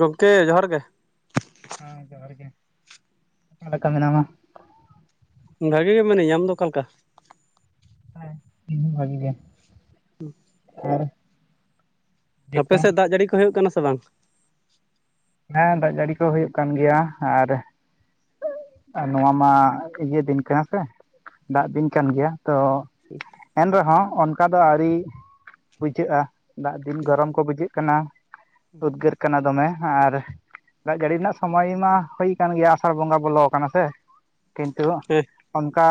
ᱜᱚᱝᱠᱮ ᱡᱚᱦᱟᱨ ᱜᱮ᱾ ᱦᱮᱸ ᱡᱚᱦᱟᱨ ᱜᱮ, ᱠᱟ ᱞᱮᱠᱟ ᱢᱮᱱᱟᱢᱟ? ᱵᱷᱟᱹᱜᱤ ᱜᱮ ᱢᱮᱱᱟᱹᱧᱟ, ᱟᱢ ᱫᱚ ᱚᱠᱟ ᱞᱮᱠᱟ? ᱦᱚᱭ ᱤᱧ ᱦᱚᱸ ᱵᱷᱟᱹᱜᱤ ᱜᱮ ᱟᱨᱼᱼ ᱟᱯᱮ ᱥᱮᱜ ᱫᱟᱜ ᱡᱟᱹᱲᱤ ᱠᱚ ᱦᱩᱭᱩᱜ ᱠᱟᱱᱟ ᱥᱮ ᱵᱟᱝ? ᱦᱮᱸ ᱫᱟᱜ ᱡᱟᱹᱲᱤ ᱠᱚ ᱦᱩᱭᱩᱜ ᱠᱟᱱ ᱜᱮᱭᱟ ᱟᱨᱼᱼ ᱟᱨ ᱱᱚᱣᱟ ᱢᱟ ᱤᱭᱟᱹ ᱫᱤᱱ ᱠᱟᱱᱟ ᱥᱮ ᱫᱟᱜ ᱫᱤᱱ ᱠᱟᱱ ᱜᱮᱭᱟ ᱛᱚ ᱮᱱ ᱨᱮᱦᱚᱸ ᱚᱱᱠᱟ ᱫᱚ ᱟᱹᱣᱨᱤ ᱵᱩᱡᱷᱟᱹᱜᱼᱟ᱾ ᱫᱟᱜ ᱫᱤᱱ ᱜᱚᱨᱚᱢ ᱠᱚ ᱵᱩᱡᱷᱟᱹᱜ ᱠᱟᱱᱟ ᱩᱫᱽᱜᱟᱹᱨ ᱠᱟᱱᱟ ᱫᱚᱢᱮ ᱟᱨ ᱫᱟᱜ ᱡᱟᱲᱤᱨᱮᱱᱟᱜ ᱥᱚᱢᱚᱭ ᱢᱟ ᱦᱩᱭ ᱟᱠᱟᱱ ᱜᱮᱭᱟ ᱟᱥᱟᱲ ᱵᱚᱸᱜᱟ ᱵᱚᱞᱚ ᱠᱟᱱᱟ ᱥᱮ ᱠᱤᱱᱛᱩ ᱦᱮᱸ ᱚᱱᱠᱟ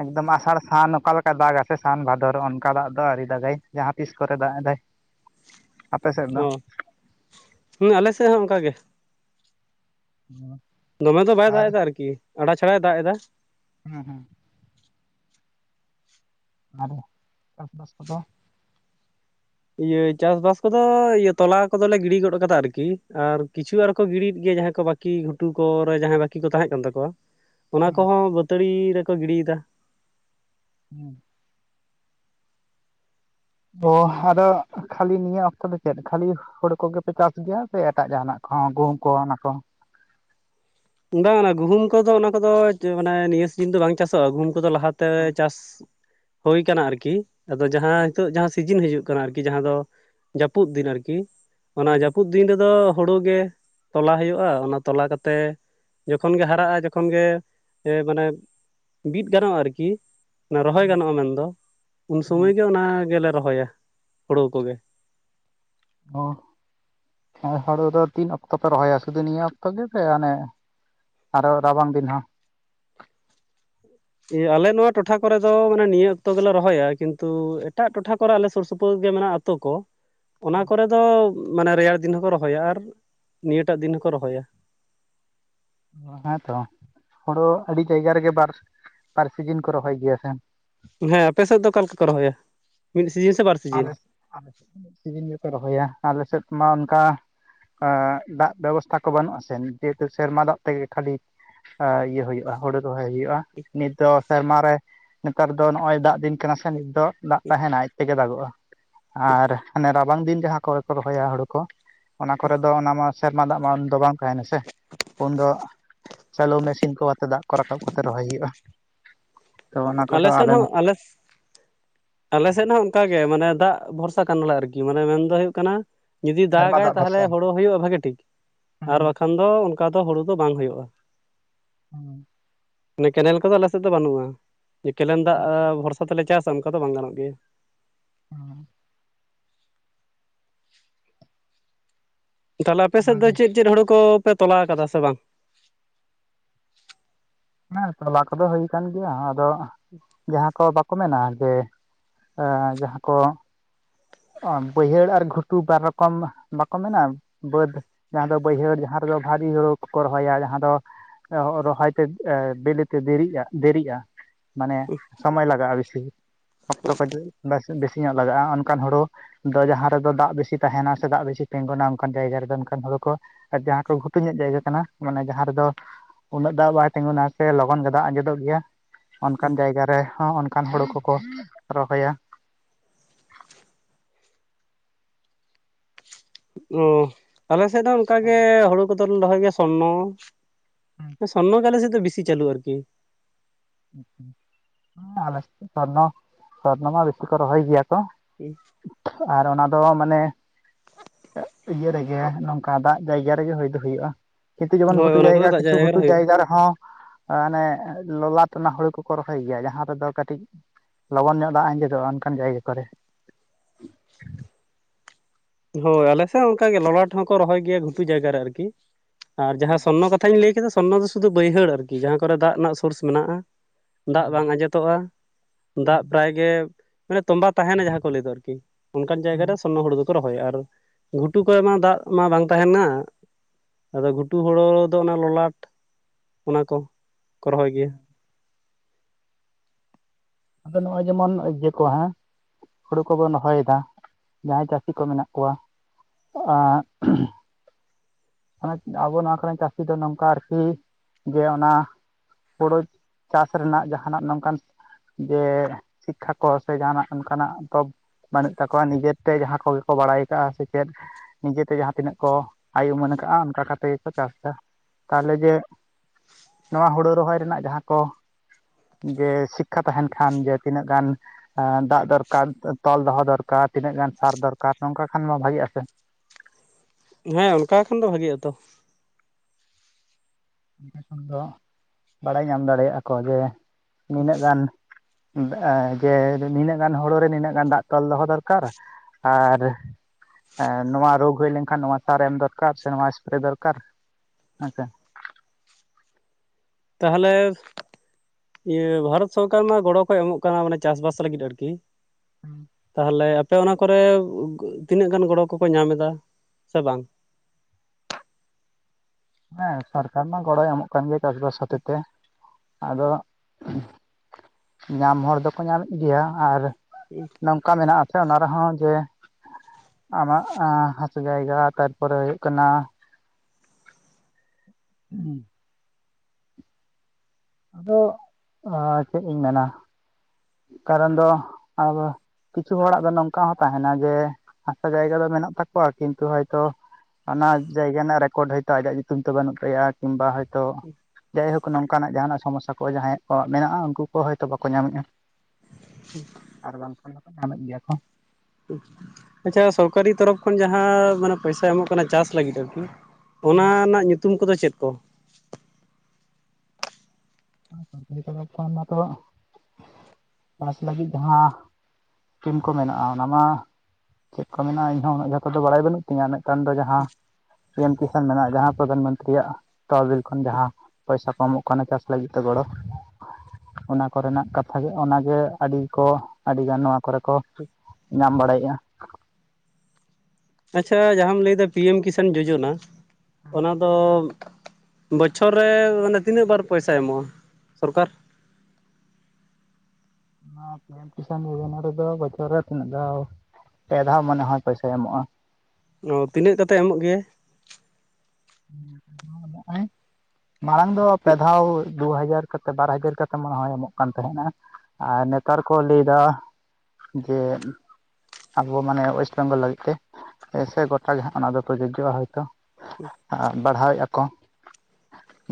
ᱮᱠᱫᱚᱢ ᱟᱥᱟᱲ ᱥᱟᱱ ᱚᱠᱟ ᱞᱮᱠᱟ ᱫᱟᱜᱟ ᱥᱮ ᱥᱟᱱ ᱵᱷᱟᱫᱚᱨ ᱚᱱᱠᱟ ᱫᱟᱜ ᱫᱚ ᱟᱹᱨᱤ ᱫᱟᱜᱟᱭ ᱡᱟᱦᱟᱸ ᱛᱤᱥ ᱠᱚᱨᱮ ᱫᱟᱜ ᱮᱫᱟᱭ᱾ [unintelligible] ᱟᱯᱮ ᱥᱮᱫ ᱫᱚ? ᱚ, ᱦᱚᱸ ᱟᱞᱮ ᱥᱮᱫ ᱦᱚᱸ ᱚᱱᱠᱟ ᱜᱮ᱾ ᱦᱚᱸ ᱫᱚᱢᱮ ᱫᱚ ᱵᱟᱭ ᱫᱟᱜ ᱮᱫᱟ ᱟᱨᱠᱤ ᱟᱲᱟ ᱪᱷᱟᱲᱟᱭ ᱫᱟᱜ ᱮᱫᱟ᱾ ᱦᱮᱸ ᱦᱮᱸ ᱟᱨ ᱪᱟᱥ ᱵᱟᱥ ᱠᱚᱫᱚ? ᱤᱭᱟᱹ ᱪᱟᱥᱵᱟᱥ ᱠᱚᱫᱚ ᱤᱭᱟᱹ ᱛᱚᱞᱟ ᱠᱚᱫᱚᱞᱮ ᱜᱤᱲᱤ ᱜᱚᱫ ᱠᱟᱫᱟ ᱟᱨᱠᱤ ᱟᱨ ᱠᱤᱪᱷᱩ ᱟᱨ ᱠᱚ ᱜᱤᱲᱮᱫ ᱜᱮᱭᱟ ᱡᱟᱦᱟᱸᱭ ᱠᱚ ᱵᱟᱠ ᱠᱤ ᱜᱷᱩᱴᱩ ᱠᱚᱨᱮ ᱡᱟᱦᱟᱸᱭ ᱵᱟᱹᱠᱤ ᱠᱚ ᱛᱟᱦᱮᱸ ᱠᱟᱱ ᱛᱟᱠᱚᱣᱟ ᱚᱱᱟ ᱦᱮᱸ ᱠᱚᱦᱚᱸ ᱵᱟᱹᱛᱟᱹᱲᱤ ᱨᱮᱠᱚ ᱜᱤᱰᱤᱭᱮᱫᱟ᱾ ᱦᱩᱸ ᱚ ᱟᱫᱚ ᱠᱷᱟᱹᱞᱤ ᱱᱤᱭᱟᱹ ᱚᱠᱛᱚ ᱫᱚ ᱪᱮᱫ, ᱠᱷᱟᱹᱞᱤ ᱦᱩᱲᱩ ᱠᱚᱜᱮᱯᱮ ᱪᱟᱥ ᱜᱮᱭᱟ ᱥᱮ ᱮᱴᱟᱜ ᱡᱟᱦᱟᱱᱟᱜ ᱠᱚᱦᱚᱸ ᱜᱩᱦᱩᱢ ᱠᱚ ᱚᱱᱟ ᱠᱚ? ᱵᱟᱝ ᱚᱱᱟ ᱜᱩᱦᱩᱢ ᱠᱚᱫᱚ ᱚᱱᱟ ᱠᱚᱫᱚ ᱢᱟᱱᱮ ᱱᱤᱭᱟᱹ ᱥᱤᱡᱤᱱ ᱫᱚ ᱵᱟᱝ ᱪᱟᱥᱚᱜᱼᱟ ᱜᱩᱦᱩᱢ ᱠᱚᱫᱚ ᱞᱟᱦᱟᱛᱮ ᱦᱮᱸ ᱪᱟᱥ ᱦᱩᱭ ᱠᱟᱱᱟ ᱟᱨᱠᱤ ᱟᱫᱚ ᱡᱟᱦᱟᱸ ᱱᱤᱛᱚᱜ ᱡᱟᱦᱟᱸ ᱥᱤᱡᱤᱱ ᱦᱤᱡᱩᱜ ᱠᱟᱱᱟ ᱟᱨᱠᱤ ᱡᱟᱦᱟᱸ ᱫᱚ ᱡᱟᱹᱯᱩᱫ ᱫᱤᱱ ᱟᱨᱠᱤ ᱚᱱᱟ ᱦᱮᱸ ᱡᱟᱹᱯᱩᱫ ᱫᱤᱱ ᱨᱮᱫᱚ ᱦᱩᱲᱩ ᱜᱮ ᱛᱚᱞᱟ ᱦᱩᱭᱩᱜᱼᱟ ᱚᱱᱟ ᱛᱚᱞᱟ ᱠᱟᱛᱮᱜ ᱡᱚᱠᱷᱚᱱ ᱜᱮ ᱦᱟᱨᱟᱜᱼᱟ ᱡᱚᱠᱷᱚᱱ ᱜᱮ ᱢᱟᱱᱮ ᱵᱤᱫ ᱜᱟᱱᱚᱜᱼᱟ ᱟᱨᱠᱤ ᱚᱱᱟ ᱨᱚᱦᱚᱭ ᱦᱮᱸ ᱜᱟᱱᱚᱜᱼᱟ ᱢᱮᱱᱫᱚ ᱩᱱ ᱥᱚᱢᱚᱭ ᱜᱮ ᱚᱱᱟ ᱜᱮᱞᱮ ᱨᱚᱦᱚᱭᱟ ᱦᱩᱲᱩ ᱠᱚᱜᱮ᱾ ᱦᱚᱸ ᱦᱩᱲᱩ ᱫᱚ ᱛᱤᱱ ᱚᱠᱛᱚ ᱯᱮ ᱨᱚᱦᱚᱭᱟ ᱥᱩᱫᱩ ᱱᱤᱭᱟᱹ ᱚᱠᱛᱚ ᱜᱮᱯᱮ ᱚᱱᱮ? ᱟᱨᱚ ᱨᱟᱵᱟᱝ ᱫᱤᱱ ᱦᱚᱸ? ᱤᱭᱟᱹ ᱟᱞᱮ ᱱᱚᱣᱟ ᱴᱚᱴᱷᱟ ᱠᱚᱨᱮ ᱫᱚ ᱢᱟᱱᱮ ᱱᱤᱭᱟᱹ ᱚᱠᱛᱚ ᱜᱮᱞᱮ ᱨᱚᱦᱚᱭᱟ ᱠᱤᱱᱛᱩ ᱮᱴᱟᱜ ᱴᱚᱴᱷᱟ ᱠᱚᱨᱮ ᱟᱞᱮ ᱥᱩᱨ ᱥᱩᱯᱩᱨ ᱜᱮ ᱢᱮᱱᱟᱜᱼᱟ ᱛᱚᱠᱚ ᱚᱱᱟ ᱠᱚᱨᱮ ᱫᱚ ᱢᱟᱱᱮ ᱨᱮᱭᱟᱲ ᱫᱤᱱ ᱦᱚᱸᱠᱚ ᱨᱚᱦᱚᱭᱟ ᱟᱨ ᱱᱤᱭᱟᱹᱴᱟᱜ ᱫᱤᱱ ᱦᱚᱸᱠᱚ ᱨᱚᱦᱚᱭᱟ᱾ ᱦᱮᱸᱛᱚ ᱦᱳᱲᱳ ᱟᱹᱰᱤ ᱡᱟᱭᱜᱟ ᱨᱮᱜᱮ ᱵᱟᱨ ᱵᱟᱨ ᱥᱤᱡᱤᱱ ᱠᱚ ᱨᱚᱦᱚᱭ ᱜᱮᱭᱟ ᱥᱮ᱾ ᱦᱮᱸ ᱟᱯᱮᱥᱮᱫ ᱫᱚ ᱚᱠᱟ ᱞᱮᱠᱟ ᱠᱚ ᱨᱚᱦᱚᱭᱟ? ᱢᱤᱫ ᱥᱤᱡᱤᱱ ᱥᱮ ᱵᱟᱨ ᱥᱤ ᱟᱞᱮ ᱟᱞᱮ ᱥᱮᱫ ᱢᱤᱫ ᱥᱤᱡᱤᱱ ᱜᱮᱠᱚ ᱨᱚᱦᱚᱭᱟ ᱟᱞᱮ ᱥᱮᱫ ᱢᱟ ᱚᱱᱠᱟ ᱮᱸᱜ ᱫᱟᱜ ᱵᱮᱵᱚᱥᱛᱷᱟ ᱠᱚ ᱵᱟᱹᱱᱩᱜ ᱟᱥᱮ ᱡᱮᱦᱮᱛᱩ ᱥᱮᱨᱢᱟ ᱫᱟᱜ ᱛᱮᱜᱮ ᱠᱷᱟᱹᱞᱤ ᱤᱭᱟᱹ ᱦᱩᱭᱩᱜᱼᱟ ᱦᱩᱲᱩ ᱨᱚᱦᱚᱭ ᱦᱩᱭᱩᱜᱼᱟ᱾ ᱱᱤᱛ ᱫᱚ ᱥᱮᱨᱢᱟ ᱨᱮ ᱱᱮᱛᱟᱨ ᱫᱚ ᱱᱚᱜᱼᱚᱭ ᱫᱟᱜ ᱫᱤᱱ ᱠᱟᱱᱟ ᱥᱮ ᱱᱤᱛ ᱫᱚ ᱫᱟᱜ ᱛᱟᱦᱮᱱᱟ ᱟᱡ ᱛᱮᱜᱮ ᱫᱟᱜᱚᱜᱼᱟ, ᱟᱨ ᱨᱟᱵᱟᱝ ᱫᱤᱱ ᱡᱟᱦᱟᱸ ᱠᱚᱨᱮ ᱠᱚ ᱨᱚᱦᱚᱭᱟ ᱦᱩᱲᱩ ᱠᱚ ᱚᱱᱟ ᱠᱚᱨᱮ ᱫᱚ ᱚᱱᱟ ᱢᱟ ᱥᱮᱨᱢᱟ ᱫᱟᱜ ᱢᱟ ᱵᱟᱝ ᱛᱟᱦᱮᱱᱟᱥᱮ ᱩᱱᱫᱚ ᱥᱮᱞᱚ ᱢᱮᱥᱤᱱ ᱠᱚ ᱟᱛᱮ ᱫᱟᱜ ᱠᱚ ᱨᱟᱠᱟᱵ ᱠᱟᱛᱮ ᱨᱚᱦᱚᱭ ᱦᱩᱭᱩᱜᱼᱟ᱾ ᱛᱚ ᱚᱱᱟ ᱠᱚᱫᱚ ᱟᱞᱮ ᱥᱮᱫ ᱦᱚᱸ ᱱᱚᱛᱮ ᱟᱞᱮ ᱟᱞᱮ ᱥᱮᱫ ᱦᱚᱸ ᱚᱱᱠᱟ ᱜᱮ ᱢᱟᱱᱮ ᱫᱟᱜ ᱵᱷᱚᱨᱥᱟ ᱠᱟᱱᱟᱞᱮ ᱟᱨᱠᱤ ᱢᱟᱱᱮ ᱢᱮᱱ ᱫᱚ ᱦᱩᱭᱩᱜ ᱠᱟᱱᱟ ᱡᱩᱫᱤ ᱥᱮᱨᱢᱟ ᱫᱟᱜᱟᱭ ᱫᱟᱜ ᱛᱟᱦᱚᱞᱮ ᱵᱷᱚᱨᱥᱟ ᱦᱳᱲᱳ ᱦᱩᱭᱩᱜᱼᱟ ᱵᱷᱟᱜᱤ ᱴᱷᱤᱠ ᱟᱨ ᱦᱩᱸ ᱵᱟᱠᱷᱟᱱ ᱫᱚ ᱚᱱᱠᱟ ᱫᱚ ᱦᱳᱲᱳ ᱫᱚ ᱵᱟᱝ ᱦᱩᱭᱩᱜᱼᱟ᱾ ᱦᱩᱸ ᱢᱟᱱᱮ ᱠᱮᱱᱮᱞ ᱠᱚᱫᱚ ᱟᱞᱮᱥᱮᱫ ᱫᱚ ᱵᱟᱹᱱᱩᱜᱼᱟ ᱠᱮᱱᱮᱞ ᱫᱟᱜ ᱵᱷᱚᱨᱥᱟ ᱛᱮᱞᱮ ᱪᱟᱥᱟ ᱚᱱᱠᱟ ᱫᱚ ᱵᱟᱝ ᱜᱟᱱᱚᱜ ᱜᱮᱭᱟ᱾ ᱦᱚᱸ ᱛᱟᱦᱚᱞᱮ ᱟᱯᱮ ᱥᱮᱫ ᱫᱚ ᱚᱱᱟᱜᱮ ᱪᱮᱫ ᱪᱮᱫ ᱦᱩᱲᱩ ᱠᱚ ᱯᱮ ᱛᱚᱞᱟᱣ ᱟᱠᱟᱫᱟ ᱥᱮ ᱵᱟᱝ? ᱦᱮᱸ ᱛᱚᱞᱟ ᱠᱚᱫᱚ ᱦᱩᱭ ᱠᱟᱱ ᱜᱮᱭᱟ ᱟᱫᱚ ᱡᱟᱦᱟᱸ ᱠᱚ ᱵᱟᱠ ᱠᱚ ᱢᱮᱱᱟ ᱡᱮ ᱡᱟᱦᱟᱸ ᱠᱚ ᱚ ᱵᱟᱹᱭᱦᱟᱹᱲ ᱟᱨ ᱜᱷᱩᱴᱩ ᱵᱟᱨ ᱨᱚᱠᱚᱢ ᱵᱟᱠᱚ ᱢᱮᱱᱟ ᱵᱟᱹᱫᱽ ᱡᱟᱦᱟᱸ ᱫᱚ ᱵᱟᱹᱭᱦᱟᱹᱲ ᱡᱟᱦᱟᱸ ᱨᱮᱫᱚ ᱵᱷᱟᱨᱤ ᱦᱩᱲᱩ ᱠᱚᱠᱚ ᱨᱚᱦᱚᱭᱟ ᱡᱟᱦᱟᱸ ᱫᱚ ᱮ ᱨᱚᱦᱚᱭ ᱛᱮ ᱵᱤᱞᱤ ᱛᱮ ᱫᱮᱨᱤᱜᱼᱟ ᱫᱮᱨᱤᱜᱼᱟ ᱾ ᱢᱟᱱᱮ ᱥᱚᱢᱚᱭ ᱞᱟᱜᱟᱜᱼᱟ ᱵᱮᱥᱤ ᱚᱠᱛᱚ ᱠᱚ ᱵᱮᱥ ᱵᱮᱥᱤ ᱧᱚᱜ ᱞᱟᱜᱟᱜᱼᱟ ᱾ ᱚᱱᱠᱟᱱ ᱦᱩᱲᱩ ᱫᱚ ᱡᱟᱦᱟᱸ ᱨᱮᱫᱚ ᱫᱟᱜ ᱵᱮᱥᱤ ᱛᱟᱦᱮᱱᱟ ᱥᱮ ᱫᱟᱜ ᱵᱮᱥᱤ ᱛᱤᱸᱜᱚᱱᱟ ᱚᱱᱠᱟᱱ ᱡᱟᱭᱜᱟ ᱨᱮᱫᱚ ᱚᱱᱠᱟᱱ ᱦᱩᱲᱩ ᱠᱚ ᱟᱨ ᱡᱟᱦᱟᱸ ᱠᱚ ᱜᱷᱩᱴᱩ ᱧᱚᱜ ᱡᱟᱭᱜᱟ ᱠᱟᱱᱟ, ᱢᱟᱱᱮ ᱡᱟᱦᱟᱸ ᱨᱮᱫᱚ ᱩᱱᱟᱹᱜ ᱫᱟᱜ ᱵᱟᱭ ᱛᱤᱸᱜᱩᱱᱟ ᱥᱮ ᱞᱚᱜᱚᱱ ᱜᱮ ᱫᱟᱜ ᱟᱸᱡᱮᱫᱚᱜ ᱜᱮᱭᱟ, ᱚᱱᱠᱟᱱ ᱡᱟᱭᱜᱟ ᱨᱮ ᱦᱚᱸ ᱚᱱᱠᱟᱱ ᱦᱩᱲᱩ ᱠᱚᱠᱚ ᱨᱚᱦᱚᱭᱟ ᱾ ᱚᱻ ᱟᱞᱮ ᱥᱮᱫ ᱫᱚ ᱚᱱᱠᱟ ᱜᱮ ᱦᱩᱲᱩ ᱠᱚᱫᱚ ᱞᱮ ᱨᱚᱦᱚᱭ ᱜᱮᱭᱟ ᱥᱚᱨᱱᱚ ᱾ ᱥᱨᱱᱚ ᱜᱮ ᱟᱞᱮ ᱥᱮᱫ ᱫᱚ ᱵᱮᱥᱤ ᱪᱟᱞᱩ ᱟᱨᱠᱤ ᱾ ᱦᱩᱸ ᱟᱞᱮ [unintelligible] ᱥᱚᱨᱱᱚ ᱥᱚᱨᱱᱚ ᱢᱟ ᱵᱮᱥᱤ ᱠᱚ ᱨᱚᱦᱚᱭ ᱜᱮᱭᱟ ᱛᱚ ᱾ [unintelligible] ᱟᱨ ᱚᱱᱟ ᱫᱚ ᱢᱟᱱᱮ ᱤᱭᱟᱹ ᱨᱮᱜᱮ ᱱᱚᱝᱠᱟ ᱫᱟᱜ ᱡᱟᱭᱜᱟ ᱨᱮᱜᱮ ᱦᱩᱭ ᱫᱚ ᱦᱩᱭᱩᱜᱼᱟ ᱾ ᱠᱤᱱᱛᱩ ᱡᱮᱢᱚᱱ ᱦᱳᱭ ᱜᱷᱩᱴᱩ ᱚᱱᱟ ᱠᱚᱫᱚ ᱡᱟᱭᱜᱟ ᱫᱟᱜ ᱠᱤᱪᱷᱩ ᱜᱷᱩᱴᱩ ᱨᱮ ᱦᱩᱭᱩᱜ ᱡᱟᱭᱜᱟ ᱨᱮᱦᱚᱸ ᱢᱟᱱᱮ ᱞᱚᱞᱟᱴ ᱚᱱᱟ ᱦᱩᱲᱩ ᱠᱚᱠᱚ ᱨᱚᱦᱚᱭ ᱜᱮᱭᱟ ᱡᱟᱦᱟᱸ ᱨᱮᱫᱚ ᱠᱟᱹᱴᱤᱡ ᱞᱚᱜᱚᱱ ᱧᱚᱜ ᱫᱟᱜ ᱟᱸᱡᱮᱫᱚᱜᱼᱟ ᱚᱱᱠᱟᱱ ᱡᱟᱭᱜᱟ ᱠᱚᱨᱮ ᱾ ᱦᱳᱭ ᱟᱞᱮ ᱥᱮᱫ ᱦᱚᱸ ᱚᱱᱠᱟ ᱜᱮ ᱞᱚᱞᱟᱴ ᱦᱚᱸᱠᱚ ᱨᱚᱦᱚᱭ ᱜᱮᱭᱟ ᱜᱷᱩᱴᱩ ᱡᱟᱭᱜᱟ ᱨᱮ ᱟᱨᱠᱤ ᱾ ᱟᱨ ᱡᱟᱦᱟᱸ ᱥᱚᱨᱱᱚ ᱠᱟᱛᱷᱟᱧ ᱞᱟᱹᱭ ᱥᱚᱨᱱᱚ ᱫᱚ ᱥᱩᱫᱷᱩ ᱵᱟᱹᱭᱦᱟᱹᱲ ᱟᱨᱠᱤ ᱡᱟᱦᱟᱸ ᱠᱚᱨᱮ ᱫᱟᱜ ᱨᱮᱱᱟᱜ ᱥᱳᱨᱥ ᱢᱮᱱᱟᱜᱼᱟ ᱾ ᱫᱟᱜ ᱵᱟᱝ ᱟᱸᱡᱮᱫᱚᱜᱼᱟ, ᱫᱟᱜ ᱯᱨᱟᱭ ᱜᱮ ᱢᱟᱱᱮ ᱛᱚᱢᱵᱟ ᱛᱟᱦᱮᱱᱟ ᱡᱟᱦᱟᱸ ᱠᱚ ᱞᱟᱹᱭ ᱫᱚ ᱟᱨᱠᱤ ᱚᱱᱠᱟᱱ ᱡᱟᱭᱜᱟ ᱨᱮ ᱥᱚᱨᱱᱚ ᱦᱚᱲᱩ ᱠᱚ ᱨᱚᱦᱚᱭᱟ ᱟᱨ ᱜᱷᱩᱴᱩ ᱠᱚᱨᱮ ᱢᱟ ᱫᱟᱜ ᱢᱟ ᱵᱟᱝ ᱛᱟᱦᱮᱱᱟ ᱾ ᱟᱫᱚ ᱜᱷᱩᱴᱩ ᱦᱩᱲᱩ ᱫᱚ ᱚᱱᱟ ᱞᱚᱞᱟᱴ ᱚᱱᱟ ᱠᱚ ᱠᱚ ᱨᱚᱦᱚᱭ ᱜᱮᱭᱟ ᱾ ᱟᱫᱚ ᱱᱚᱜᱼᱚᱭ ᱡᱮᱢᱚᱱ ᱤᱡᱟᱹ ᱠᱚ ᱦᱮᱸ ᱦᱩᱲᱳ ᱠᱚᱵᱚᱱ ᱨᱚᱦᱚᱭᱮᱫᱟ, ᱡᱟᱦᱟᱸᱭ ᱪᱟᱹᱥᱤ ᱠᱚ ᱢᱮᱱᱟᱜ ᱠᱚᱣᱟ ᱟᱸ [unintelligible] ᱟᱵᱚ ᱱᱚᱣᱟ ᱠᱚᱨᱮᱱ ᱪᱟᱹᱥᱤ ᱫᱚ ᱱᱚᱝᱠᱟ ᱟᱨᱠᱤ ᱡᱮ ᱚᱱᱟ ᱦᱳᱲᱳ ᱪᱟᱥ ᱨᱮᱱᱟᱜ ᱡᱟᱦᱟᱱᱟᱜ ᱱᱚᱝᱠᱟᱱ ᱡᱮ ᱥᱤᱠᱠᱷᱟ ᱠᱚ ᱥᱮ ᱡᱟᱦᱟᱱᱟᱜ ᱚᱱᱠᱟᱱᱟᱜ ᱜᱚᱵ ᱵᱟᱹᱱᱩᱜ ᱛᱟᱠᱚᱣᱟ ᱱᱤᱡᱮᱨ ᱛᱮ ᱡᱟᱦᱟᱸ ᱠᱚᱜᱮ ᱠᱚ ᱵᱟᱲᱟᱭ ᱠᱟᱜᱼᱟ ᱥᱮ ᱪᱮᱫ ᱱᱤᱡᱮᱛᱮ ᱡᱟᱦᱟᱸ ᱛᱤᱱᱟᱹᱜ ᱠᱚ ᱟᱭ ᱩᱢᱟᱹᱱ ᱠᱟᱜᱼᱟ ᱚᱱᱠᱟ ᱠᱟᱛᱮᱜ ᱜᱮᱠᱚ ᱪᱟᱥ ᱮᱫᱟ ᱾ ᱛᱟᱦᱚᱞᱮ ᱡᱮ ᱱᱚᱣᱟ ᱦᱩᱲᱩ ᱨᱚᱦᱚᱭ ᱨᱮᱱᱟᱜ ᱡᱟᱦᱟᱸ ᱠᱚ ᱡᱮ ᱥᱤ ᱠᱷᱟ ᱛᱟᱦᱮᱱ ᱠᱷᱟᱱ ᱡᱮ ᱛᱤᱱᱟᱹᱜ ᱜᱟᱱ ᱫᱟᱜ ᱫᱚᱨᱠᱟᱨ ᱛᱚᱞ ᱫᱚᱦᱚ ᱫᱚᱨᱠᱟᱨ ᱛᱤᱱᱟᱹᱜ ᱜᱟᱱ ᱥᱟᱨ ᱫᱚᱨᱠᱟᱨ ᱱᱚᱝᱠᱟ ᱠᱷᱟᱱ ᱢᱟ ᱵᱷᱟᱜᱤᱜ ᱟᱥᱮ? ᱦᱮᱸ ᱚᱱᱠᱟ ᱠᱷᱟᱱ ᱫᱚ ᱵᱷᱟᱜᱤᱜ ᱟᱛᱚ ᱾ ᱮᱸᱰᱮ ᱠᱷᱟᱱ ᱫᱚ ᱵᱟᱲᱟᱭ ᱧᱟᱢ ᱫᱟᱲᱮᱭᱟᱜᱼᱟ ᱠᱚ ᱡᱮ ᱱᱤᱱᱟᱹᱜ ᱜᱟᱱ ᱡᱮ ᱱᱤᱱᱟᱹᱜ ᱜᱟᱱ ᱦᱩᱲᱩ ᱨᱮ ᱱᱤᱱᱟᱹᱜ ᱜᱟᱱ ᱫᱟᱜ ᱛᱚᱞ ᱫᱚᱦᱚ ᱫᱚᱨᱠᱟᱨ ᱾ ᱟᱨ ᱱᱚᱣᱟ ᱨᱳᱜᱽ ᱦᱩᱭ ᱞᱮᱱᱠᱷᱟᱱ ᱱᱚᱣᱟ ᱥᱟᱨ ᱮᱢ ᱫᱚᱨᱠᱟᱨ ᱥᱮ ᱱᱚᱣᱟ ᱮᱯᱨᱮ ᱫᱚᱨᱠᱟᱨ ᱦᱮᱸᱥᱮ ᱾ ᱛᱟᱦᱚᱞᱮ ᱤᱭᱟᱹ ᱵᱷᱟᱨᱚᱛ ᱥᱚᱨᱠᱟᱨ ᱢᱟ ᱜᱚᱲᱚ ᱠᱚᱭ ᱮᱢᱚᱜ ᱠᱟᱱᱟ ᱢᱟᱱᱮ ᱪᱟᱥᱵᱟᱥ ᱞᱟᱹᱜᱤᱫ ᱟᱨᱠᱤ ᱛᱟᱦᱚᱞᱮ ᱟᱯᱮ ᱚᱱᱟ ᱠᱚᱨᱮ ᱛᱤᱱᱟᱹᱜ ᱜᱟᱱ ᱜᱚᱲᱚ ᱠᱚᱠᱚ ᱧᱟᱢ ᱮᱫᱟ ᱥᱮ ᱵᱟᱝ? ᱦᱮᱸ ᱥᱚᱨᱠᱟᱨ ᱢᱟ ᱜᱚᱲᱚᱭ ᱮᱢᱚᱜ ᱠᱟᱱ ᱜᱮᱭᱟ ᱪᱟᱥᱵᱟᱥ ᱦᱚᱛᱮ ᱛᱮ ᱾ ᱟᱫᱚ ᱧᱟᱢ ᱦᱚᱲ ᱫᱚᱠᱚ ᱧᱟᱢᱮᱫ ᱜᱮᱭᱟ ᱟᱨ ᱩᱸ [unintelligible] ᱱᱚᱝᱠᱟ ᱢᱮᱱᱟᱜ ᱟᱥᱮ ᱚᱱᱟ ᱨᱮᱦᱚᱸ ᱡᱮ ᱟᱢᱟᱜ ᱦᱟᱥᱩ ᱡᱟᱭᱜᱟ, ᱛᱟᱨᱯᱚᱨᱮ ᱦᱩᱭᱩᱜ ᱠᱟᱱᱟ ᱦᱩᱜ-ᱩᱸ ᱾ ᱵᱚ ᱟ ᱪᱮᱜ ᱤᱧ ᱢᱮᱱᱟ, ᱠᱟᱨᱚᱱ ᱫᱚ ᱟᱵᱚ ᱠᱤᱪᱷᱩ ᱦᱚᱲᱟᱜ ᱫᱚ ᱱᱚᱝᱠᱟ ᱦᱚᱸ ᱛᱟᱦᱮᱱᱟ ᱡᱮ ᱦᱟᱥᱟ ᱡᱟᱭᱜᱟ ᱫᱚ ᱢᱮᱱᱟᱜ ᱛᱟᱠᱚᱣᱟ, ᱠᱤᱱᱛᱩ ᱦᱚᱭᱛᱳ ᱚᱱᱟ ᱡᱟᱭᱜᱟ ᱨᱮᱱᱟᱜ ᱨᱮᱠᱚᱰ ᱦᱚᱭᱛᱳ ᱟᱡᱟᱜ ᱧᱩᱛᱩᱢ ᱛᱮ ᱵᱟᱹᱱᱩᱜ ᱛᱟᱭᱟ ᱠᱤᱢᱵᱟ ᱦᱚ ᱛᱚ ᱡᱟᱭᱦᱳᱠ ᱱᱚᱝᱠᱟᱱᱟᱜ ᱡᱟᱦᱟᱱᱟᱜ ᱥᱚᱢᱚᱥᱥᱟ ᱠᱚ ᱡᱟᱦᱟᱸᱭᱟᱜ ᱠᱚᱣᱟᱜ ᱢᱮᱱᱟᱜᱼᱟ ᱩᱱᱠᱩ ᱠᱚ ᱦᱚᱳᱭᱛᱳ ᱵᱟᱠᱚ ᱧᱟᱢᱮᱜᱼᱟ᱾ ᱟᱨ ᱵᱟᱝᱠᱷᱟᱱ ᱦᱚᱠᱚ ᱧᱟᱢᱮᱫ ᱜᱮᱭᱟ ᱠᱚ᱾ ᱟᱪᱪᱷᱟ ᱥᱚᱨᱠᱟᱨᱤ ᱛᱚᱨᱚᱯᱷ ᱠᱷᱚᱱ ᱡᱟᱦᱟᱸ ᱢᱟᱱᱮ ᱯᱚᱭᱥᱟ ᱮᱢᱚᱜ ᱠᱟᱱᱟ ᱪᱟᱥ ᱞᱟᱹᱜᱤᱫ ᱟᱨᱠᱤ᱾ ᱚᱱᱟ ᱨᱮᱱᱟᱜ ᱧᱩᱛᱩᱢ ᱠᱚᱫᱚ ᱪᱮᱫ ᱠᱚ? [inaudible] ᱢᱟᱛᱚ, ᱪᱟᱥ ᱞᱟᱹᱜᱤᱫ ᱡᱟᱦᱟᱸ ᱠᱤᱢ ᱠᱚ ᱢᱮᱱᱟᱜᱼᱟ ᱚᱱᱟᱢᱟ ᱪᱮᱜ ᱠᱚ ᱢᱮᱱᱟᱜᱼᱟ ᱤᱧᱦᱚᱸ ᱩᱱᱟᱹᱜ ᱡᱷᱚᱛᱚ ᱫᱚ ᱵᱟᱲᱟᱭ ᱵᱟᱹᱱᱩᱜ ᱛᱤᱧᱟ ᱢᱮᱜᱴᱟᱱ ᱫᱚ ᱡᱟᱦᱟᱸ ᱯᱤᱮᱢ ᱠᱤᱥᱟᱱ ᱢᱮᱱᱟᱜᱼᱟ ᱡᱟᱦᱟᱸ ᱯᱨᱚᱫᱷᱟᱱ ᱢᱚᱱᱛᱨᱤᱭᱟᱜ ᱛᱚᱵᱤᱞ ᱠᱷᱚᱱ ᱡᱟᱦᱟᱸ ᱯᱚᱭᱥᱟ ᱠᱚ ᱮᱢᱚᱜ ᱠᱟᱱᱟ ᱪᱟᱥ ᱞᱟᱹᱜᱤᱫ ᱛᱮ ᱜᱚᱲᱚ ᱚᱱᱟ ᱠᱚᱨᱮᱱᱟᱜ ᱠᱟᱛᱷᱟ ᱜᱮ ᱚᱱᱟᱜᱮ ᱟᱹᱰᱤ ᱠᱚ ᱟᱹᱰᱤ ᱜᱟᱱ ᱱᱚᱣᱟ ᱠᱚᱨᱮ ᱠᱚ ᱧᱟᱢ ᱵᱟᱲᱟᱭᱮᱜᱼᱟ᱾ ᱟᱪᱪᱷᱟ ᱡᱟᱦᱟᱸᱢ ᱞᱟᱹᱭᱫᱟ ᱯᱤ ᱮᱢ ᱠᱤᱥᱟᱱ ᱡᱳᱡᱚᱱᱟ, ᱚᱱᱟ ᱫᱚ ᱵᱚᱪᱷᱚᱨ ᱨᱮ ᱢᱟᱱᱮ ᱛᱤᱱᱟᱹᱜ ᱵᱟᱨ ᱯᱚᱭᱥᱟᱭ ᱮᱢᱚᱜᱼᱟ ᱥᱚᱨᱠᱟᱨ? ᱱᱚᱣᱟ ᱯᱤ ᱮᱢ ᱠᱤᱥᱟᱱ ᱡᱳᱡᱚᱱᱟ ᱨᱮᱫᱚ ᱵᱚᱪᱷᱚᱨ ᱨᱮ ᱛᱤᱱᱟᱹᱜ ᱫᱷᱟᱣ, ᱯᱮ ᱫᱷᱟᱣ ᱢᱟᱱᱮ ᱦᱚᱭ ᱯᱚᱭᱥᱟᱭ ᱮᱢᱚᱜᱼᱟ᱾ ᱚᱻ ᱛᱤᱱᱟᱹᱜ ᱠᱟᱛᱮ ᱮᱢᱚᱜ ᱜᱮᱭᱟᱭ? [inaudible] ᱢᱟᱲᱟᱝ ᱫᱚ ᱯᱮ ᱫᱷᱟᱣ᱾ ᱫᱩ ᱦᱟᱡᱟᱨ ᱠᱟᱛᱮ ᱵᱟᱨ ᱦᱟᱡᱟᱨ ᱠᱟᱛᱮ ᱢᱟᱲᱮ ᱦᱚᱭ ᱮᱢᱚᱜ ᱠᱟᱱ ᱛᱟᱦᱮᱸᱱᱟ, ᱟᱨ ᱱᱮᱛᱟᱨ ᱠᱚ ᱞᱟᱹᱭ ᱫᱟ ᱡᱮ ᱟᱵᱚ ᱢᱟᱱᱮ ᱳᱭᱮᱥᱴ ᱵᱮᱝᱜᱚᱞ ᱞᱟᱹᱜᱤᱫ ᱛᱮ ᱮ ᱥᱮ ᱜᱚᱴᱟ ᱜᱮ ᱦᱟᱜ ᱚᱱᱟ ᱫᱚ ᱯᱨᱳᱚᱡᱳᱡᱚᱼᱟ ᱦᱳᱭᱛᱚ᱾ ᱩᱸ᱾ ᱟᱜ ᱵᱟᱲᱦᱟᱣᱮᱜ ᱟᱠᱚ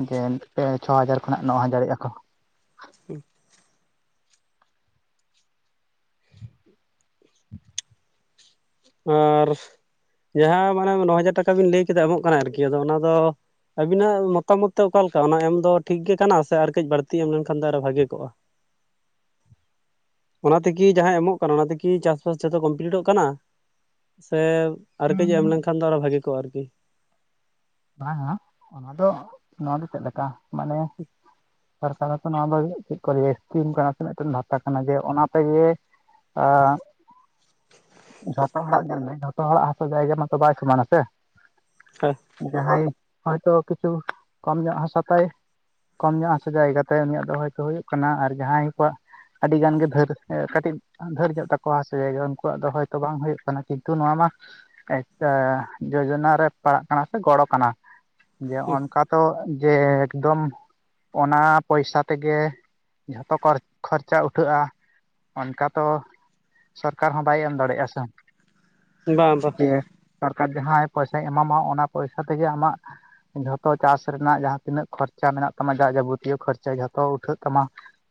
ᱡᱮ ᱯᱮ ᱪᱷᱚ ᱦᱟᱡᱟᱨ ᱠᱷᱚᱱᱟᱜ ᱱᱚ ᱦᱟᱡᱟᱨᱮᱜ ᱟᱠᱚ᱾ ᱦᱩᱸ᱾ [inaudible] ᱟᱨ ᱡᱟᱦᱟᱸ ᱢᱟᱱᱮ ᱱᱚ ᱦᱟᱡᱟᱨ ᱴᱟᱠᱟ ᱵᱤᱱ ᱞᱟᱹᱭ ᱠᱮᱫᱟ ᱮᱢᱚᱜ ᱠᱟᱱᱟᱭ ᱟᱨᱠᱤ ᱟᱫᱚ ᱚᱱᱟ ᱫᱚ ᱟᱵᱤᱱᱟᱜ ᱢᱚᱛᱟᱢᱚᱛ ᱛᱮ ᱚᱠᱟ ᱞᱮᱠᱟ ᱚᱱᱟ ᱮᱢ ᱫᱚ ᱴᱷᱤᱠ ᱜᱮ ᱠᱟᱱᱟ ᱥᱮ ᱟᱨ ᱠᱟᱹᱡ ᱵᱟᱹᱲᱛᱤ ᱮᱢ ᱞᱮᱱᱠᱷᱟᱱ ᱫᱚ ᱟᱨᱚ ᱵᱷᱟᱜᱮ ᱠᱚᱜᱼᱟ᱾ [inaudible] ᱚᱱᱟ ᱛᱮᱠᱤ ᱡᱟᱦᱟᱸ ᱮᱢᱚᱜ ᱠᱟᱱᱟ ᱚᱱᱟ ᱛᱮᱠᱤ ᱪᱟᱥᱼᱵᱟᱥ ᱡᱚᱛᱚ ᱠᱚᱢᱯᱞᱤᱴᱚᱜ ᱠᱟᱱᱟ? ᱥᱮ ᱟᱨ ᱠᱟᱹᱡ ᱮᱢ ᱞᱮᱱᱠᱷᱟᱱ ᱫᱚ ᱟᱨᱚ ᱵᱷᱟᱹᱜᱤ ᱠᱚᱜᱼᱟ ᱟᱨᱠᱤ᱾ ᱵᱟᱝᱼᱟ ᱚᱱᱟ ᱫᱚ ᱱᱚᱣᱟ ᱫᱚ ᱪᱮᱜ ᱞᱮᱠᱟ ᱢᱟᱱᱮ, ᱥᱚᱨᱠᱟᱨᱚ ᱱᱚᱣᱟ ᱫᱚ ᱪᱤᱫ ᱠᱚ ᱞᱟᱹᱭᱟ ᱤᱥᱠᱤᱢ ᱠᱟᱱᱟ ᱥᱮ ᱢᱤᱫᱴᱮᱱ ᱵᱷᱟᱛᱟ ᱠᱟᱱᱟ, ᱡᱮ ᱚᱱᱟ ᱛᱮᱜᱮ ᱟ ᱡᱷᱚᱛᱚ ᱦᱚᱲᱟᱜ ᱧᱮᱞᱢᱮ ᱡᱷᱚᱛᱚ ᱦᱚᱲᱟᱜ ᱦᱟᱥ ᱡᱟᱭᱜᱟ ᱢᱟᱛᱚ ᱵᱟᱭ ᱥᱚᱢᱟᱱ ᱥᱮ᱾ ᱦᱮ᱾ ᱡᱟᱦᱟᱸᱭ ᱦᱚᱭᱛᱚ ᱠᱤᱪᱷᱩ ᱠᱚᱢ ᱧᱚᱜ ᱦᱟᱥᱟ ᱛᱟᱭ ᱠᱚᱢ ᱧᱚᱜ ᱦᱟᱥᱟ ᱡᱟᱭᱜᱟᱛᱮ ᱩᱱᱤᱭᱟᱜ ᱫᱚ ᱦᱚᱭᱛᱚ ᱦᱩᱭᱩᱜ ᱠᱟᱱᱟ, ᱟᱨ ᱡᱟᱦᱟᱸᱭ ᱠᱚᱣᱟᱜ ᱟᱹᱰᱤ ᱜᱟᱱ ᱜᱮ ᱫᱷᱟᱹᱨ ᱮ ᱠᱟᱹᱴᱤᱱ ᱫᱷᱟᱹᱨ ᱧᱚᱜ ᱛᱟᱠᱚᱣᱟ ᱥᱮ ᱡᱟᱭᱜᱟ ᱩᱱᱠᱩᱣᱟᱜ ᱫᱚ ᱦᱚᱭᱛᱚ ᱵᱟᱝ ᱦᱩᱭᱩᱜ ᱠᱟᱱᱟ, ᱠᱤᱱᱛᱩ ᱱᱚᱣᱟ ᱢᱟ ᱮᱠᱠᱟ ᱡᱳᱡᱚᱱᱟ ᱨᱮ ᱯᱟᱲᱟᱜ ᱠᱟᱱᱟ ᱥᱮ ᱜᱚᱲᱚ ᱠᱟᱱᱟ, ᱡᱮ ᱚᱱᱠᱟ ᱛᱚ ᱡᱮ ᱮᱠᱫᱚᱢ ᱚᱱᱟ ᱯᱚᱭᱥᱟ ᱛᱮᱜᱮ ᱡᱷᱚᱛᱚ ᱠᱚᱨ-ᱠᱷᱚᱨᱪᱟ ᱩᱴᱷᱟᱹᱜᱼᱟ᱾ ᱚᱱᱠᱟ ᱛᱚ ᱥᱚᱨᱠᱟᱨ ᱦᱚᱸ ᱵᱟᱭ ᱮᱢ ᱫᱟᱲᱮᱭᱟᱜᱼᱟ ᱥᱮ᱾ ᱵᱟᱝ ᱵᱟᱝ ᱡᱮ ᱥᱚᱨᱠᱟᱨ ᱡᱟᱦᱟᱸᱭ ᱯᱚᱭᱥᱟᱭ ᱮᱢᱟᱢᱟ ᱚᱱᱟ ᱯᱚᱭᱥᱟ ᱛᱮᱜᱮ ᱟᱢᱟᱜ ᱡᱷᱚᱛᱚ ᱪᱟᱥ ᱨᱮᱱᱟᱜ ᱡᱟᱦᱟᱸ ᱛᱤᱱᱟᱹᱜ ᱠᱷᱚᱨᱪᱟ ᱢᱮᱱᱟᱜ ᱛᱟᱢᱟ ᱡᱟ ᱡᱟᱵᱚᱛᱤᱭᱚ ᱠᱷᱚᱨᱪᱟ ᱡᱷᱚᱛᱚ ᱩᱴᱷᱟᱹᱜ ᱛᱟᱢᱟ᱾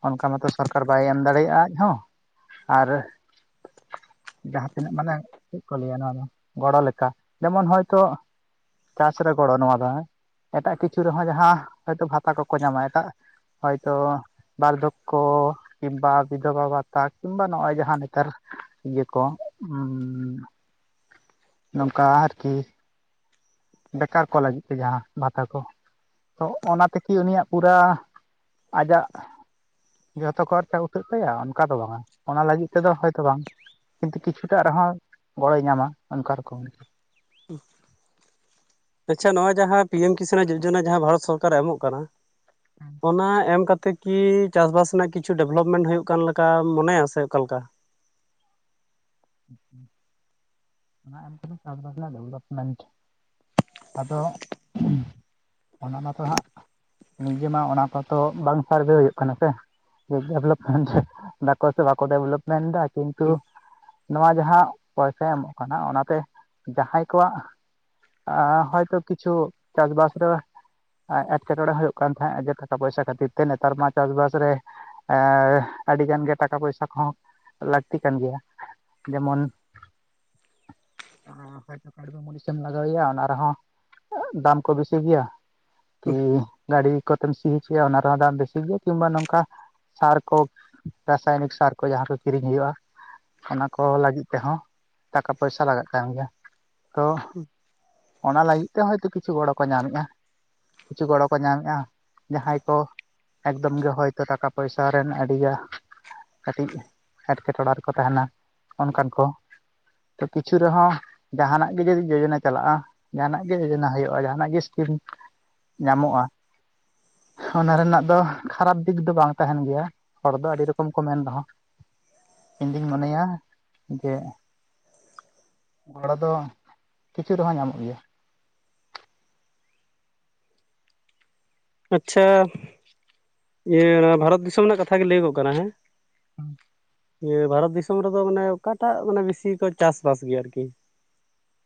ᱚᱱᱠᱟ ᱢᱟᱛᱚ ᱥᱚᱨᱠᱟᱨ ᱵᱟᱭ ᱮᱢ ᱫᱟᱲᱮᱭᱟᱜᱼᱟ ᱟᱡ ᱦᱚᱸ, ᱟᱨ ᱡᱟᱦᱟᱸ ᱛᱤᱱᱟᱹᱜ ᱢᱟᱱᱮ ᱪᱤᱜ ᱠᱚ ᱞᱟᱹᱭᱟ ᱱᱚᱣᱟ ᱫᱚ? ᱜᱚᱲᱚ ᱞᱮᱠᱟ ᱡᱮᱢᱚᱱ ᱦᱚᱭᱛᱚ ᱪᱟᱥ ᱨᱮ ᱜᱚᱲᱚ ᱱᱚᱣᱟ ᱫᱚ ᱦᱮᱸ, ᱮᱴᱟᱜ ᱠᱤᱪᱷᱩ ᱨᱮᱦᱚᱸ ᱡᱟᱦᱟᱸ ᱦᱚᱭᱛᱚ ᱵᱷᱟᱛᱟ ᱠᱚᱠᱚ ᱧᱟᱢᱟ ᱮᱴᱟᱜ ᱦᱚᱭᱛᱚ᱾ ᱵᱟᱨᱫᱷᱚᱠᱚ ᱠᱤᱢᱵᱟ ᱵᱤᱫᱷᱚᱵᱟ ᱵᱷᱟᱛᱟ ᱠᱤᱝᱵᱟ ᱱᱚᱜᱼᱚᱭ ᱡᱟᱦᱟᱸ ᱱᱮᱛᱟᱨ ᱤᱭᱟᱹ ᱠᱚ ᱩᱸᱻ ᱱᱚᱝᱠᱟ ᱟᱨᱠᱤ ᱾ ᱵᱮᱠᱟᱨ ᱠᱚ ᱞᱟᱹᱜᱤᱫ ᱛᱮ ᱡᱟᱦᱟᱸ ᱵᱷᱟᱛᱟ ᱠᱚ ᱾ ᱛᱚ ᱚᱱᱟ ᱛᱮᱠᱤ ᱩᱱᱤᱭᱟᱜ ᱯᱩᱨᱟ, ᱟᱡᱟᱜ ᱡᱚᱛᱚ [unintelligible] ᱩᱛᱟᱹᱜ ᱛᱟᱭᱟ ᱚᱱᱠᱟ ᱫᱚ ᱵᱟᱝᱟ ᱚᱱᱟ ᱞᱟᱹᱜᱤᱫ ᱛᱮᱫᱚ ᱦᱚᱭᱛᱚ ᱵᱟᱝ ᱠᱤᱱᱛᱩ ᱠᱤᱪᱷᱩᱴᱟᱜ ᱨᱮᱦᱚᱸ ᱜᱚᱲᱚᱭ ᱧᱟᱢᱟ ᱚᱱᱠᱟ ᱨᱚᱠᱚᱢ ᱾ ᱟᱪᱪᱷᱟ ᱱᱚᱣᱟ ᱡᱟᱦᱟᱸ ᱯᱤᱭᱮᱢ ᱠᱤᱥᱟᱱ ᱡᱚᱡᱚᱱᱟ ᱡᱟᱦᱟᱸ ᱵᱷᱟᱨᱚᱛ ᱥᱚᱨᱠᱟᱨ ᱮᱢᱚᱜ ᱠᱟᱱᱟ ᱾ ᱚᱱᱟ ᱮᱢ ᱠᱟᱛᱮ ᱠᱤ ᱪᱟᱥ ᱵᱟᱥ ᱨᱮᱱᱟᱜ ᱠᱤᱪᱷᱩ ᱰᱮᱵᱷᱞᱚᱯᱢᱮᱱᱴ ᱦᱩᱭᱩᱜ ᱠᱟᱱ ᱞᱮᱠᱟ ᱢᱚᱱᱮᱭᱟ ᱥᱮ ᱚᱠᱟᱞᱮᱠᱟ? ᱚᱱᱟ ᱮᱢ ᱠᱟᱛᱮ [unintelligible] ᱰᱮᱵᱷᱞᱚᱯᱢᱮᱱᱴ ᱟᱫᱚ ᱚᱱᱮ ᱢᱟᱛᱚ ᱦᱟᱸᱜ ᱱᱤᱡᱮ ᱢᱟ ᱚᱱᱟ ᱠᱚᱛᱚ ᱵᱟᱝ ᱥᱟᱨᱵᱷᱮ ᱦᱩᱭᱩᱜ ᱠᱟᱱᱟ ᱥᱮ ᱾ [unintelligible] ᱥᱮ ᱵᱟᱠᱚ ᱰᱮᱵᱷᱞᱚᱯᱢᱮᱱᱴ ᱮᱫᱟ ᱠᱤᱱᱛᱩ ᱱᱚᱣᱟ ᱡᱟᱦᱟᱸ ᱯᱚᱭᱥᱟᱭ ᱮᱢᱚᱜ ᱠᱟᱱᱟ ᱚᱱᱟᱛᱮ ᱡᱟᱦᱟᱸᱭ ᱠᱚᱣᱟᱜ ᱟ ᱦᱚᱭᱛᱚ ᱠᱤᱪᱷᱩ ᱪᱟᱥᱵᱟᱥ ᱨᱮ ᱮᱴᱠᱮᱴᱚᱬᱮ ᱦᱩᱭᱩᱜ ᱠᱟᱱ ᱛᱟᱦᱮᱸᱜ ᱡᱮ ᱴᱟᱠᱟ ᱯᱚᱭᱥᱟ ᱠᱷᱟᱹᱛᱤᱨ ᱛᱮ ᱱᱮᱛᱟᱨ ᱢᱟ ᱪᱟᱥᱵᱟᱥ ᱨᱮ ᱟᱹᱰᱤ ᱜᱟᱱ ᱜᱮ ᱴᱟᱠᱟ ᱯᱚᱭᱥᱟ ᱠᱚᱦᱚᱸ ᱞᱟᱹᱠᱛᱤ ᱠᱟᱱ ᱜᱮᱭᱟ ᱾ ᱡᱮᱢᱚᱱ [unintelligible] [unintelligible] ᱚᱱᱟ ᱨᱮᱦᱚᱸ ᱫᱟᱢ ᱠᱚ ᱵᱮᱥᱤ ᱜᱮᱭᱟ ᱾ ᱠᱤ ᱜᱟᱹᱰᱤ ᱠᱚᱛᱮᱢ ᱥᱤ ᱦᱚᱪᱚᱭᱟ ᱚᱱᱟ ᱨᱮᱦᱚᱸ ᱫᱟᱢ ᱵᱮᱥᱤ ᱜᱮᱭᱟ ᱠᱤᱢᱵᱟ ᱱᱚᱝᱠᱟ ᱥᱟᱨ ᱠᱚ ᱨᱟᱥᱟᱭᱚᱱᱤᱠ ᱥᱟᱨ ᱠᱚ ᱡᱟᱦᱟᱸ ᱠᱚ ᱠᱤᱨᱤᱧ ᱦᱩᱭᱩᱜᱼᱟ ᱾ ᱠᱚ ᱞᱟᱹᱜᱤᱫ ᱛᱮᱦᱚᱸ ᱴᱟᱠᱟ ᱯᱚᱭᱥᱟ ᱞᱟᱜᱟᱜ ᱠᱟᱱ ᱜᱮᱭᱟ ᱛᱚ ᱚᱱᱟ ᱞᱟᱹᱜᱤᱫ ᱛᱮ ᱦᱭᱛᱚ ᱠᱤᱪᱷᱩ ᱜᱚᱲᱚ ᱠᱚ ᱧᱟᱢᱮᱜᱼᱟ ᱾ ᱠᱤᱪᱷᱩ ᱜᱚᱲᱚ ᱠᱚ ᱧᱟᱢᱮᱜᱼᱟ ᱡᱟᱦᱟᱸᱭ ᱠᱚ ᱮᱠᱫᱚᱢ ᱜᱮ ᱦᱚᱭᱛᱚ ᱴᱟᱠᱟ ᱯᱚᱭᱥᱟ ᱨᱮᱱ [unintelligible] ᱠᱟᱹᱴᱤᱡ ᱮᱴᱠᱮᱴᱚᱲᱟ ᱨᱮᱠᱚ ᱛᱟᱦᱮᱱᱟ ᱾ ᱚᱱᱠᱟᱱ ᱠᱚ ᱛᱚ ᱠᱤᱪᱷᱩ ᱨᱮᱦᱚᱸ ᱡᱟᱦᱟᱱᱟᱜ ᱜᱮ ᱡᱩᱫᱤ ᱡᱚᱡᱚᱱᱟ ᱪᱟᱞᱟᱜᱼᱟ ᱡᱟᱦᱟᱸᱱᱟᱜ ᱜᱮ ᱡᱚᱡᱚᱱᱟ ᱦᱩᱭᱩᱜᱼᱟ ᱡᱟᱦᱟᱱᱟᱜ ᱜᱮ ᱥᱠᱤᱢ ᱧᱟᱢᱚᱜᱼᱟ ᱚᱱᱟ ᱨᱮᱱᱟᱜ ᱫᱚ ᱠᱷᱟᱨᱟᱯ ᱫᱤᱠ ᱫᱚ ᱵᱟᱝ ᱛᱟᱦᱮᱱ ᱜᱮᱭᱟ ᱾ ᱦᱚᱲ ᱫᱚ ᱟᱹᱰᱤ ᱨᱚᱠᱚᱢ ᱠᱚ ᱢᱮᱱ ᱨᱮᱦᱚᱸ ᱤᱧᱫᱩᱧ ᱢᱚᱱᱮᱭᱟ ᱾ ᱡᱮ ᱜᱚᱲᱟ ᱫᱚ ᱠᱤᱪᱷᱩ ᱨᱮᱦᱚᱸ ᱧᱟᱢᱚᱜ ᱜᱮᱭᱟ ᱾ ᱟᱪᱪᱷᱟ ᱤᱭᱟᱹ ᱵᱷᱟᱨᱚᱛ ᱫᱤᱥᱚᱢ ᱨᱮᱱᱟᱜ ᱠᱟᱛᱷᱟ ᱜᱮ ᱞᱟᱹᱭᱚ ᱜᱚᱜ ᱠᱟᱱᱟ ᱦᱮᱸ ᱾ ᱤᱭᱟᱹ ᱵᱷᱟᱨᱚᱛ ᱫᱤᱥᱚᱢ ᱨᱮᱫᱚ ᱢᱟᱱᱮ ᱚᱠᱟᱴᱟᱜ ᱢᱟᱱᱮ ᱵᱤᱥᱤ ᱠᱚ ᱪᱟᱥᱵᱟᱥ ᱜᱮᱭᱟ ᱟᱨᱠᱤ?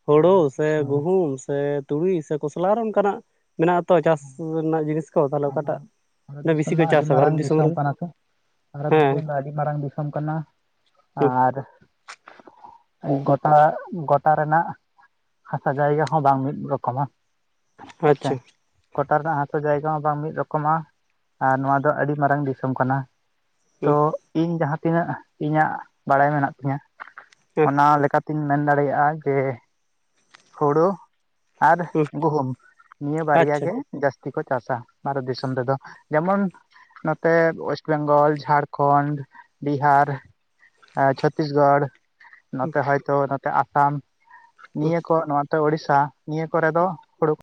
ᱦᱩᱲᱩ ᱵᱷᱟᱨᱚᱛ ᱥᱮ ᱫᱤᱥᱚᱢ ᱨᱮ ᱜᱩᱦᱩᱢ ᱥᱮ ᱛᱩᱲᱤ ᱥᱮ ᱠᱚᱥᱞᱟ ᱟᱨᱚ ᱚᱱᱠᱟᱱᱟᱜ ᱢᱮᱱᱟᱜ ᱟᱛᱚ ᱪᱟᱥ ᱨᱮᱱᱟᱜ ᱡᱤᱱᱤᱥ ᱠᱚ ᱛᱟᱦᱚᱞᱮ ᱟᱫᱚ ᱚᱠᱟᱴᱟᱜ ᱵᱷᱟᱨᱚᱛ ᱫᱤᱥᱚᱢ ᱵᱮᱥᱤ ᱢᱟ ᱠᱚ ᱟᱹᱰᱤ ᱪᱟᱥᱟ ᱢᱟᱨᱟᱝ ᱵᱷᱟᱨᱚᱛ ᱫᱤᱥᱚᱢ ᱨᱮᱫᱚ ᱠᱟᱱᱟ ᱛᱚ ᱵᱷᱟᱨᱚᱛ ᱦᱮᱸ ᱫᱤᱥᱚᱢ ᱟᱹᱰᱤ ᱢᱟᱨᱟᱝ ᱫᱤᱥᱚᱢ ᱠᱟᱱᱟ ᱦᱩᱸ ᱟᱨ ᱜᱚᱴᱟ ᱜᱚᱴᱟ ᱨᱮᱱᱟᱜ ᱦᱟᱥᱟ ᱡᱟᱭᱜᱟ ᱦᱚᱸ ᱵᱟᱝ ᱢᱤᱫ ᱨᱚᱠᱚᱢᱟ ᱾ ᱟᱪᱪᱷᱟ ᱾ ᱠᱚᱴᱟ ᱨᱮᱱᱟᱜ ᱦᱟᱥᱟ ᱡᱟᱭᱜᱟ ᱦᱚᱸ ᱵᱟᱝ ᱢᱤᱫ ᱨᱚᱠᱚᱢᱟ ᱟᱨ ᱱᱚᱣᱟ ᱫᱚ ᱟᱹᱰᱤ ᱢᱟᱨᱟᱝ ᱫᱤᱥᱚᱢ ᱠᱟᱱᱟ ᱾ ᱦᱩᱸ ᱛᱚ ᱤᱧ ᱡᱟᱦᱟᱸ ᱛᱤᱱᱟᱹᱜ ᱤᱧᱟᱹᱜ ᱵᱟᱲᱟᱭ ᱢᱮᱱᱟᱜ ᱛᱤᱧᱟᱹ ᱦᱮᱸ ᱚᱱᱟ ᱞᱮᱠᱟᱛᱤᱧ ᱢᱮᱱ ᱫᱟᱲᱮᱭᱟᱜᱼᱟ ᱡᱮ ᱦᱩᱲᱩ ᱟᱨ ᱦᱩᱸ ᱜᱩᱦᱩᱢ ᱱᱤᱭᱟᱹ ᱵᱟᱨᱭᱟ ᱟᱪᱪᱷᱟ ᱜᱮ ᱡᱟᱹᱥᱛᱤ ᱠᱚ ᱪᱟᱥᱟ ᱵᱷᱟᱨᱚᱛ ᱫᱤᱥᱚᱢ ᱨᱮᱫᱚ ᱾ ᱡᱮᱢᱚᱱ ᱱᱚᱛᱮ ᱚᱭᱮᱥᱴ ᱵᱮᱝᱜᱚᱞ ᱡᱷᱟᱲᱠᱷᱚᱸᱰ ᱵᱤᱦᱟᱨ ᱪᱷᱚᱛᱤᱥᱜᱚᱲ ᱱᱚᱛᱮ ᱦᱚᱭᱛᱚ ᱱᱚᱛᱮ ᱟᱥᱟᱢ ᱱᱤᱭᱟᱹ ᱠᱚ ᱱᱚᱣᱟ ᱛᱮ ᱚᱲᱤᱥᱟ ᱱᱤᱭᱟᱹ ᱠᱚᱨᱮ ᱫᱚ ᱦᱩᱲᱩ